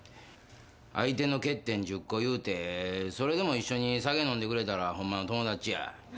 相手の欠点１０個言うて、それでも一緒に酒飲んでくれたらほんまの友達や。